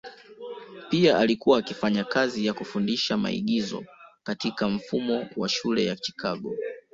Pia alikuwa akifanya kazi ya kufundisha maigizo katika mfumo wa shule ya Chicago.